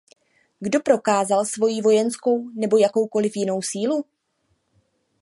Kdo prokázal svoji vojenskou nebo jakoukoli jinou sílu?